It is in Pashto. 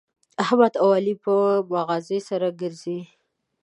احمد او علي په مغزي سره ګرزي.